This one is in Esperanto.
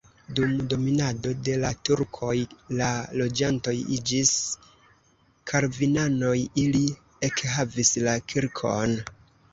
Dum dominado de la turkoj la loĝantoj iĝis kalvinanoj, ili ekhavis la kirkon.